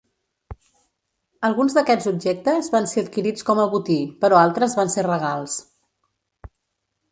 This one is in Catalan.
Alguns d'aquests objectes van ser adquirits com a botí però altres van ser regals.